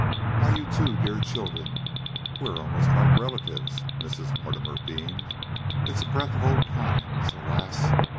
"Why, you two dear children, we're almost like relatives," Mrs. Mortimer beamed. "It's a breath of old times, alas!